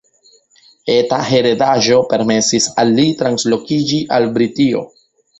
Eta heredaĵo permesis al li translokiĝi al Britio.